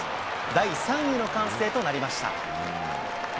第３位の歓声となりました。